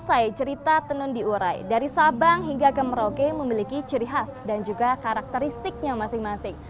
usai cerita tenun diurai dari sabang hingga ke merauke memiliki ciri khas dan juga karakteristiknya masing masing